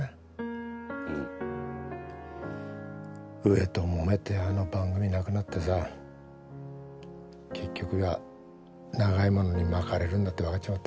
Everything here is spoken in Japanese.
上ともめてあの番組なくなってさ結局は長いものに巻かれるんだって分かっちまってな。